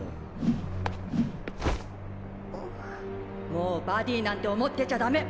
もうバディなんて思ってちゃダメ！